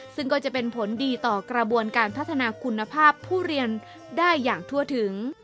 ซึ่งก็จะเป็นผลดีต่อกระบวนการพัฒนาคุณภาพผู้เรียนได้อย่างทั่วถึง